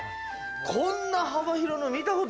こんな幅広の見たことないよ。